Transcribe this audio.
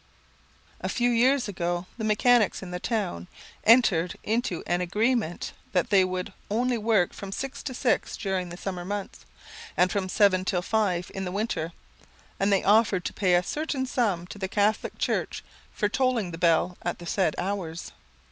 A few years ago the mechanics in the town entered into an agreement that they would only work from six to six during the summer months, and from seven till five in the winter, and they offered to pay a certain sum to the Catholic church for tolling the bell at the said hours.